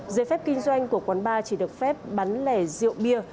dế phép kinh doanh của quán ba chỉ được phép bắn lẻ rượu bia